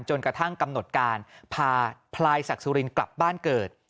จนกระทั่งกำหนดการพาพลายศักดิ์สุรินกลับบ้านเกิด